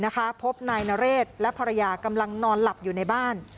พบนายนเรศและภรรยากำลังนอนหลับอยู่ในบ้าน